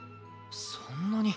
そんなに？